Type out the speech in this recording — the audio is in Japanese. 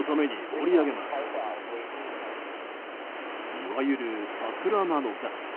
いわゆる、サクラなのか？